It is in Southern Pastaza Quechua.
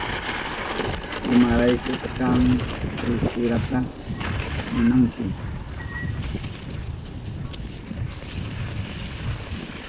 ¿Imaraykuta kanka fusfuruta munanki?